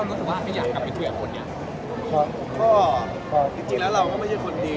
ก็อะไรที่เราจะจะทำไม่อย่างกลับมาเป็นคนเนี้ย